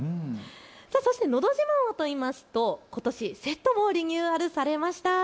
そしてのど自慢といいますとことし、セットもリニューアルされました。